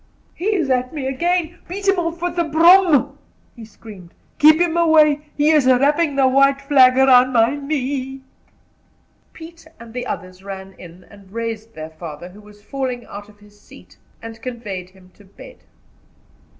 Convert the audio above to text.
"He is at me again! Beat him off with the broom!" he screamed. "Keep him away. He is wrapping the white flag round my knee." Pete and the others ran in, and raised their father, who was falling out of his seat, and conveyed him to bed.